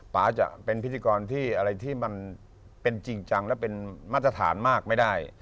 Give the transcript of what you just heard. ป๊าจะเป็นพิธีกรที่อะไรที่มันเป็นจริงจังและเป็นมาตรฐานมากไม่ได้